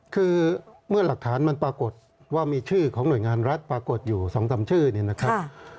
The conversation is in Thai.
คือเมื่อหลักฐานมันปรากฏว่ามีชื่อของหน่วยงานรัฐปรากฏอยู่๒๓ชื่อเนี่ยนะครับ